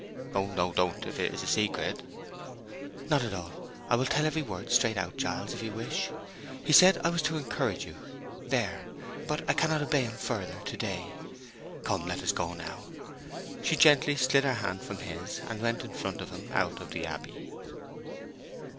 "Oh no—don't, if it is a secret." "Not at all. I will tell every word, straight out, Giles, if you wish. He said I was to encourage you. There. But I cannot obey him further to day. Come, let us go now." She gently slid her hand from his, and went in front of him out of the Abbey.